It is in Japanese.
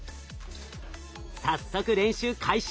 早速練習開始。